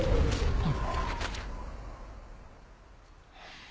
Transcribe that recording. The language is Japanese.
あっ！